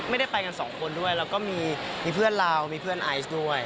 ไม่ได้ไปกันสองคนด้วยแล้วก็มีเพื่อนเรามีเพื่อนไอซ์ด้วย